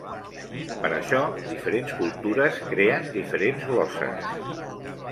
Per això diferents cultures creen diferents glosses.